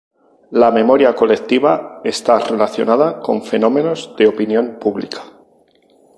La memoria colectiva está relacionada con fenómenos de opinión pública.